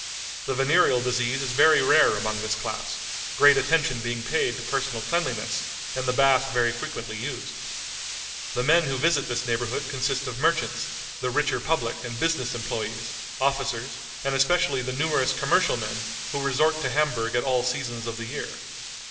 The venereal disease is very rare among this class, great attention being paid to personal cleanliness, and the bath very frequently used. The men who visit this neighborhood consist of merchants, the richer public and business employés, officers, and especially the numerous commercial men who resort to Hamburg at all seasons of the year.